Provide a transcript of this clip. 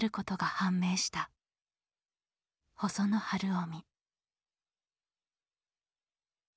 細野晴臣」。